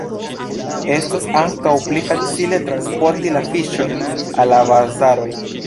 Estas ankaŭ pli facile transporti la fiŝojn al la bazaroj.